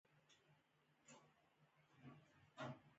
د افغانستان د موقعیت د افغانستان د کلتوري میراث برخه ده.